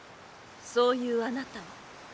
そういうあなたは？